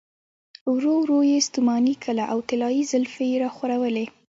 ورو ورو يې ستوماني کښله او طلايې زلفې يې راخورولې.